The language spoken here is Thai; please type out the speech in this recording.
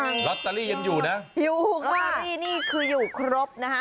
ลอตเตอรี่ยังอยู่นะอยู่ลอตเตอรี่นี่คืออยู่ครบนะฮะ